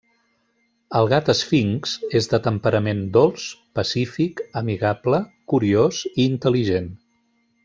El gat esfinx és de temperament dolç, pacífic, amigable, curiós i intel·ligent.